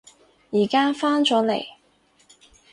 而家返咗嚟